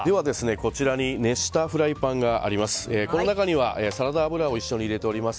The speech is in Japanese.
こちらに熱したフライパンがあります。